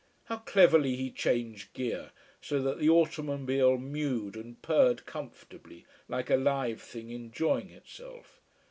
How cleverly he changed gear, so that the automobile mewed and purred comfortably, like a live thing enjoying itself.